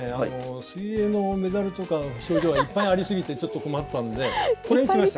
水泳のメダルとか賞状はいっぱいありすぎてちょっと困ったんでこれにしました。